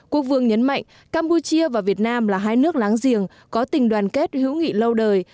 quốc vương nhấn mạnh campuchia và việt nam là hai nước láng giềng có tình đoàn kết hữu nghị lâu đời